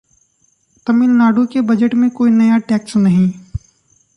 तमिलनाडु के बजट में कोई नया टैक्स नहीं